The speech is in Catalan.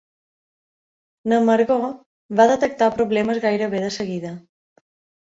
La Margo va detectar problemes gairebé de seguida.